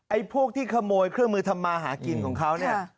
พวกที่ขโมยเครื่องมือทำมาหากินของเขาเนี่ย